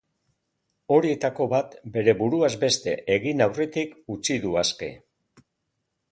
Horietako bat, bere buruaz beste egin aurretik utzi du aske.